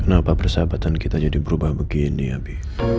kenapa persahabatan kita jadi berubah begini abi